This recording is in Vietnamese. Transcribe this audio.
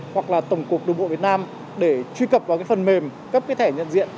hoặc là tổng cục đường bộ việt nam để truy cập vào cái phần mềm cấp cái thẻ nhận diện